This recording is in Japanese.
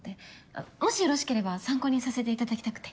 あっもしよろしければ参考にさせていただきたくて。